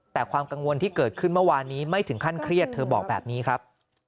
แต่ความกังวลที่เกิดขึ้นเมื่อวานนี้ไม่ถึงขั้นเครียดเธอบอกแบบนี้ครับ